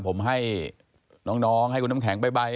ผมให้น้องให้คุณน้ำแข็งไปใบ